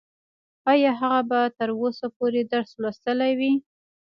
ايا هغه به تر اوسه پورې درس لوستلی وي؟